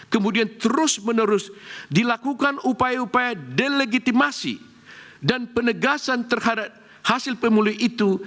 kemudian terus menerus dilakukan upaya upaya delegitimasi dan penegasan terhadap hasil pemuli itu